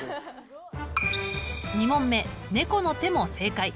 ２問目「ねこのて」も正解。